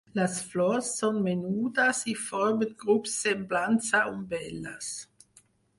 Les flors són menudes i formen grups semblants a umbel·les.